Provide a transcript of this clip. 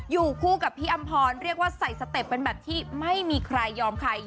อยู่คู่กับพี่อำพรเรียกว่าใส่สเต็ปเป็นแบบที่ไม่มีใครยอมใคร